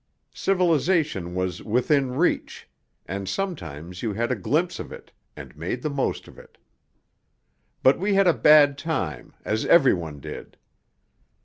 Civilization was within reach, and sometimes you had a glimpse of it and made the most of it. But we had a bad time, as every one did.